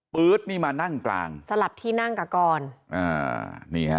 ื๊ดนี่มานั่งกลางสลับที่นั่งกับกรอ่านี่ฮะ